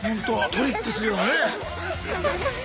トリップするようなね。